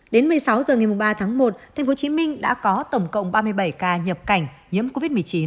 đến một mươi sáu h ngày ba tháng một tp hcm đã có tổng cộng ba mươi bảy ca nhập cảnh nhiễm covid một mươi chín